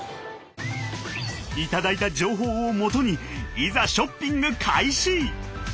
頂いた情報をもとにいざショッピング開始！